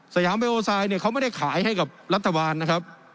ยามเบโอไซด์เนี่ยเขาไม่ได้ขายให้กับรัฐบาลนะครับ